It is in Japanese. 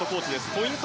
ポイント